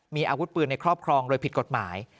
มีอาวุธปืนในครอบครองโดยผิดกฎหมาย